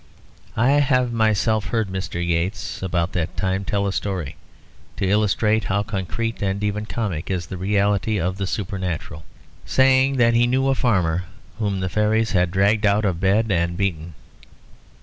I have myself heard Mr. Yeats, about that time, tell a story, to illustrate how concrete and even comic is the reality of the supernatural, saying that he knew a farmer whom the fairies had dragged out of bed and beaten.